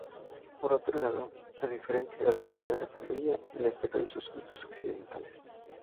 Por otro lado, a diferencia del resto de la familia, destacan sus gustos occidentales.